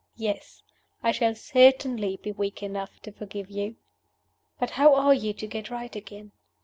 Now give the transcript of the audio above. Yes! I shall certainly be weak enough to forgive you. "But how are you to get right again?